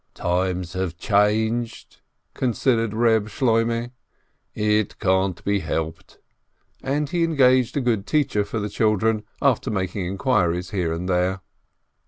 "Times have changed," considered Reb Shloimeh ; "it can't be helped !" and he engaged a good teacher for the children, after making inquiries here and there.